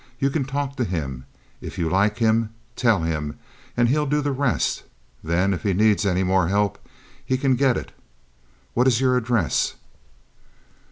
You can talk to him. If you like him, tell him, and he'll do the rest. Then, if he needs any more help, he can get it. What is your address?"